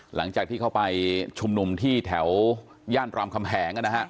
หลังจากที่เขาไปชุมนุมที่แถวย่านรามคำแหง